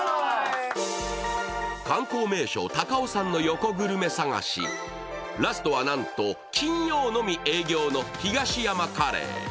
観光名所、高尾山の横グルメ探しラストはなんと金曜日のみ営業の東山カレー。